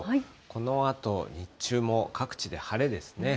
このあと日中も各地で晴れですね。